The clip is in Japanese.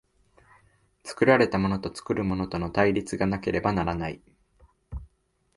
作られたものと作るものとの対立がなければならない。